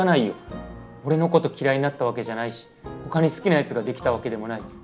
俺のこと嫌いになったわけじゃないし他に好きなやつができたわけでもない。